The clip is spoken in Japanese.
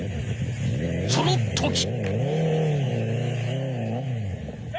［そのとき］